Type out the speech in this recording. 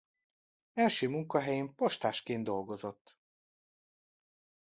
Első munkahelyén postásként dolgozott.